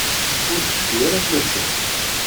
Ur tecfi ara fell-asen.